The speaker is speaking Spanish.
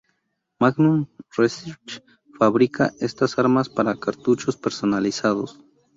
Magnum Research fabrica estas armas para cartuchos personalizados.